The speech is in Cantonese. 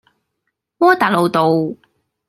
窩打老道